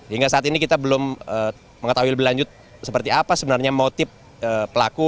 hingga saat ini kita belum mengetahui lebih lanjut seperti apa sebenarnya motif pelaku